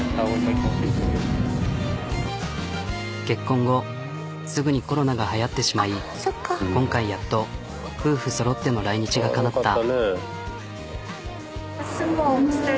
結婚後すぐにコロナがはやってしまい今回やっと夫婦そろっての来日がかなった。